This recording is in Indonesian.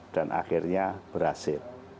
dan akhirnya berhasil